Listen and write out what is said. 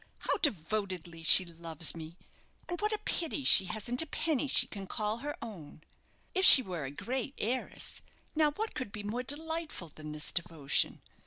how devotedly she loves me. And what a pity she hasn't a penny she can call her own. If she were a great heiress, now, what could be more delightful than this devotion?